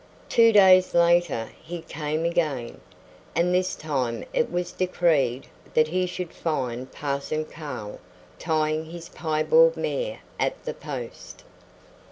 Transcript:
Two days later he came again, and this time it was decreed that he should find Parson Carll tying his piebald mare at the post.